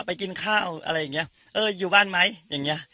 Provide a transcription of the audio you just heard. ไปกินข้าวอะไรอย่างนี้เอออยู่บ้านไหมอย่างนี้